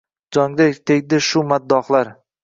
Jonga tegdi shu maddohlar.